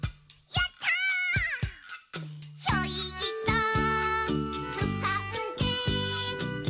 やったー！」